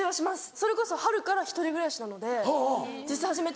それこそ春から１人暮らしなので自炊始めたんですけど。